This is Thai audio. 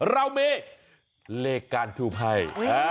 เรามีเลขการทูบให้